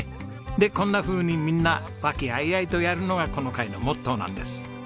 でこんなふうにみんな和気あいあいとやるのがこの会のモットーなんです。